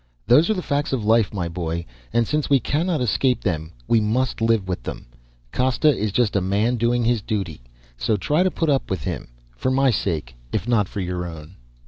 "Those are the facts of life my boy. And since we cannot escape them, we must live with them. Costa is just a man doing his duty. So try and put up with him. For my sake if not for your own."